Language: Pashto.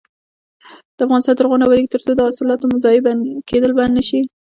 افغانستان تر هغو نه ابادیږي، ترڅو د حاصلاتو ضایع کیدل بند نشي.